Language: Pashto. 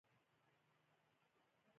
مداخله وکړي او دا کم کړي.